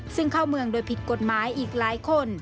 ซึ่งเข้าเมืองโดยผิดกฎหมายอีกหลายคน